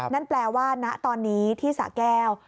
นั่นแปลว่าณตอนนี้ที่สะแก้ว